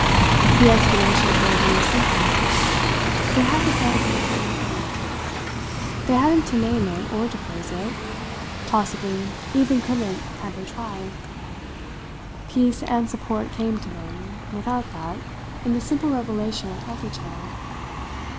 The explanation here again was simple they had the sense of a common fate. They hadn't to name it or to phrase it possibly even couldn't had they tried; peace and support came to them, without that, in the simple revelation of each other.